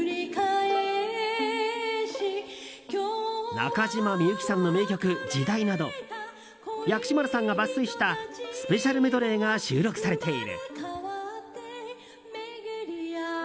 中島みゆきさんの名曲「時代」など薬師丸さんが抜粋したスペシャルメドレーが収録されている。